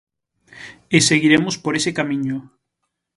E seguiremos por ese camiño.